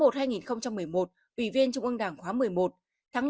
tháng một hai nghìn một mươi một ủy viên trung ương đảng khóa một mươi một